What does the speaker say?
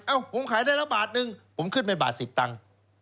เอ้าผมขายได้แล้วบาทหนึ่งผมขึ้นไปบาท๑๐ตังค์